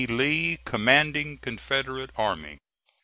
LEE, Commanding Confederate Army.